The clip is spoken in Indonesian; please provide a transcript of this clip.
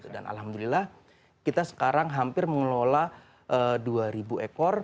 dan alhamdulillah kita sekarang hampir mengelola dua ribu ekor